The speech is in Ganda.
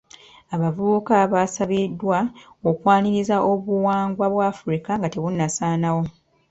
Abavubuka baasabibwa okwaniriza obuwangwa bwa Africa nga tebunnasaanawo.